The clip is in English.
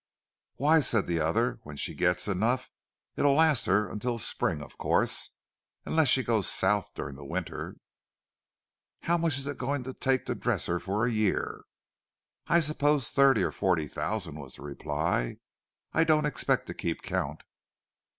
"Why," said the other, "when she gets enough, it'll last her until spring, of course—unless she goes South during the winter." "How much is it going to take to dress her for a year?" "I suppose thirty or forty thousand," was the reply. "I don't expect to keep count."